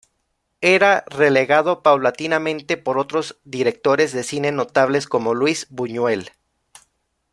Era relegado paulatinamente por otros directores de cine notables como Luis Buñuel.